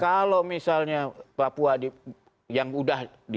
kalau misalnya papua yang ujung ujungnya